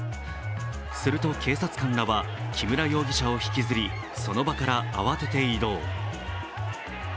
すると警察官らは木村容疑者を引きずりその場から慌てて移動。